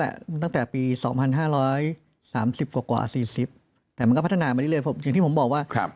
แหละตั้งแต่ปี๒๕๓๐กว่า๔๐แต่มันก็พัฒนาไปเรื่อยผมบอกว่าครับ